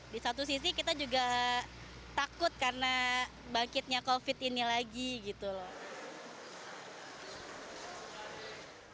di satu sisi kita juga takut karena bangkitnya covid ini lagi gitu loh